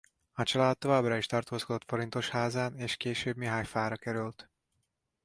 A család továbbra is tartózkodott Forintosházán és később Mihályfára került.